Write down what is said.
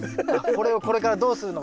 これをこれからどうするのか。